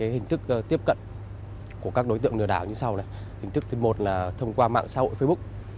hình thức của các đối tượng lừa đảo như sau hình thức thứ một là thông qua mạng xã hội facebook